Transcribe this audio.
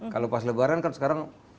kalau pas lebaran kan sekarang